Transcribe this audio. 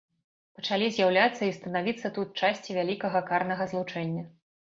Пачалі з'яўляцца і станавіцца тут часці вялікага карнага злучэння.